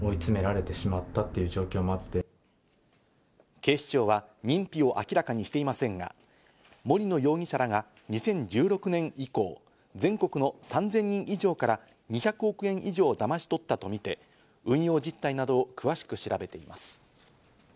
警視庁は認否を明らかにしていませんが、森野容疑者らが２０１６年以降、全国の３０００人以上から２００億円以上をだまし取ったとみて、運用実態などを詳しく調べています。